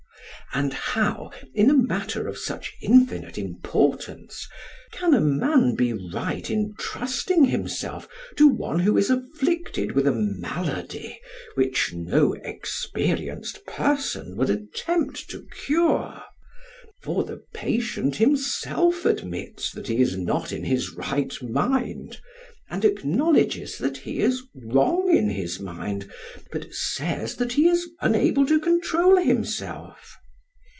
And how, in a matter of such infinite importance, can a man be right in trusting himself to one who is afflicted with a malady which no experienced person would attempt to cure, for the patient himself admits that he is not in his right mind, and acknowledges that he is wrong in his mind, but says that he is unable to control himself?